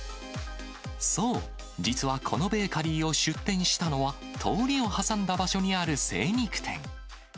そう、実はこのベーカリーを出店したのは、通りを挟んだ場所にある精肉店。